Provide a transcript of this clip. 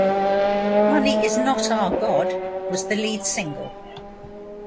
"Money Is Not Our God" was the lead single.